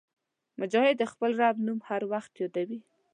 مجاهد د خپل رب نوم هر وخت یادوي.